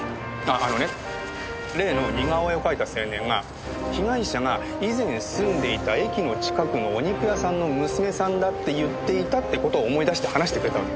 あのね例の似顔絵を描いた青年が被害者が以前住んでいた駅の近くのお肉屋さんの娘さんだって言っていたって事を思い出して話してくれたわけ。